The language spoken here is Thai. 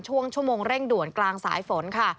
ช่วงชั่วโมงเร่งด่วนกลางสายฝนค่ะ